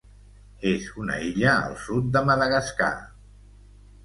És una illa al sud de Madagascar.